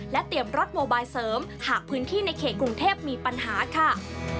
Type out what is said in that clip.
เตรียมรถโมบายเสริมหากพื้นที่ในเขตกรุงเทพมีปัญหาค่ะ